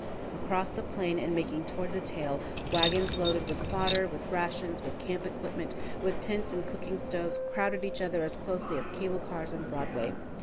Across the plain, and making toward the trail, wagons loaded with fodder, with rations, with camp equipment, with tents and cooking stoves, crowded each other as closely as cable cars on Broadway.